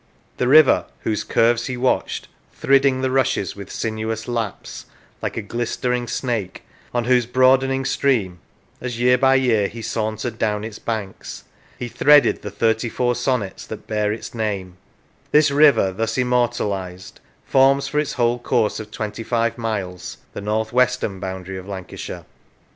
The river whose curves he watched " thridding the rushes with sinuous lapse," like " a glistering snake ": on whose broadening stream, as, year by year, he sauntered down its banks, he threaded the thirty four sonnets that bear its name: this river, thus immortalised, forms, for its whole course of twenty five miles, the north western boundary of Lancashire.